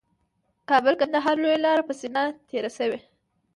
کابل قندهار لویه لاره یې په سینه تېره شوې